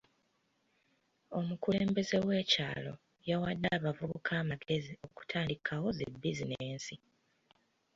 Omukulembeze w'ekyalo yawadde abavubuka amagezi okutandikawo zi bizinensi